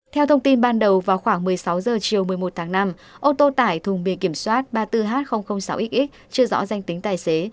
theo thông tin ban đầu vào khoảng một mươi sáu h chiều một mươi một tháng năm ô tô tải thùng bìa kiểm soát ba mươi bốn h sáu x chưa rõ danh tính tài xế